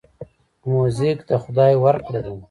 موزیک د خدای ورکړه ده.